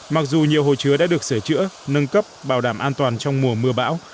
mặc dù nhiều hồ chứa đã được sửa chữa nâng cấp bảo đảm an toàn trong mùa mưa bão